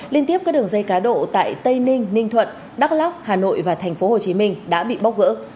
liên tiếp các đường dây cá độ tại tây ninh ninh thuận đắk lóc hà nội và tp hcm đã bị bóc gỡ